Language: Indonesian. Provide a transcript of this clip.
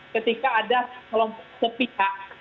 ketika ada sepihak